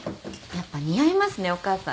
やっぱ似合いますねお母さん。